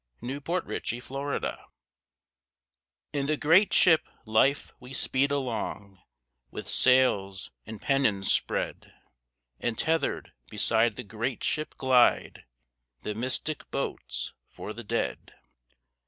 THE SHIP AND THE BOAT In the great ship Life we speed along, With sails and pennons spread. And tethered, beside the great ship, glide The mystic boats for the dead.